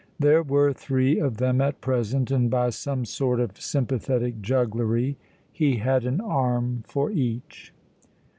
There were three of them at present, and by some sort of sympathetic jugglery he had an arm for each.